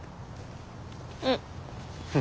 うん。